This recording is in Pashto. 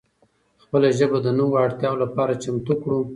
خپله ژبه د نوو اړتیاو لپاره چمتو کړو.